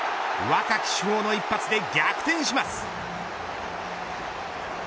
若き主砲の一発で逆転します。